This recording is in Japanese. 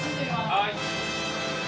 はい。